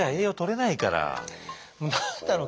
何だろう